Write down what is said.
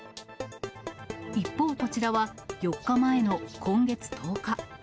一方、こちらは４日前の今月１０日。